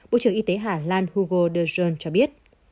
bộ trưởng y tế hà lan hugo de jonge cho biết